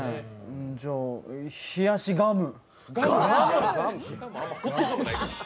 じゃあ、冷やしガム。